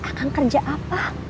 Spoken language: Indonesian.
akang kerja apa